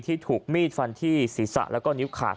ถูกมีดฟันที่ศีรษะแล้วก็นิ้วขาด